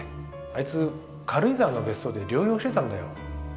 あいつ軽井沢の別荘で療養してたんだよ。